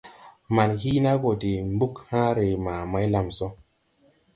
Man Hiina go de mbug hããre ma Maylamso.